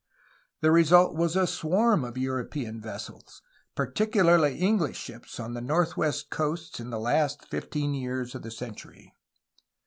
The result was a swarm of European vessels, particularly English ships, on the northwest coasts in the last fifteen years of the century.